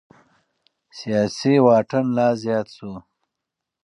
سياسي واټن لا زيات شو.